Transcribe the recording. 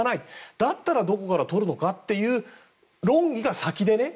だったら、どこから取るのかという論議が先でね。